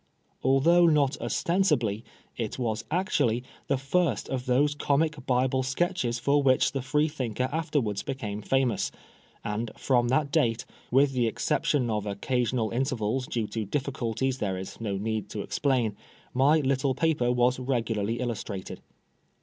Although not ostensibly, it was actually, the first of those Comic Bible Sketches for which the Free thinker afterwards became famous ; and from that date, with the exception of occasional intervals due to difficulties there is no need to explain, my little paper was regularly illustrated.